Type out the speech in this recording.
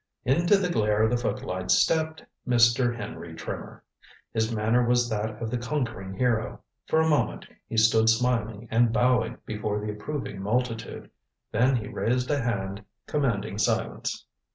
Into the glare of the footlights stepped Mr. Henry Trimmer. His manner was that of the conquering hero. For a moment he stood smiling and bowing before the approving multitude. Then he raised a hand commanding silence.